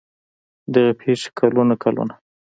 دغې پېښې کلونه کلونه